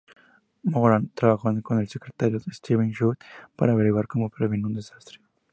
Moran trabajó con el secretario Steven Chu para averiguar cómo prevenir un desastre.